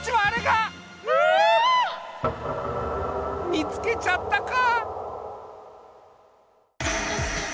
見つけちゃったか！